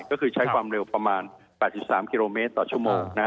ก็คือใช้ความเร็วประมาณแปดสิบสามกิโลเมตรต่อชั่วโมงนะ